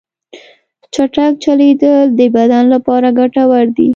چټک چلیدل د بدن لپاره ګټور دي.